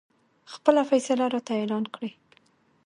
خپله فیصله راته اعلان کړي.